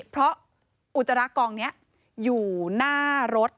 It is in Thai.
เพราะอุจจาระกองนี้อยู่หน้ารถ